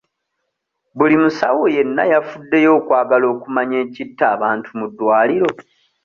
Buli musawo yenna yafuddeyo okwagala okumanya ki ekitta abantu mu ddwaliro?